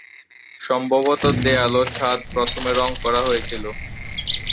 সম্ভবত দেয়াল এবং ছাদ প্রথমে রং করা হয়েছিল।